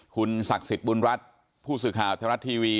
คุณศักดิ์สิทธิ์บุญรัฐผู้สื่อข่าวไทยรัฐทีวี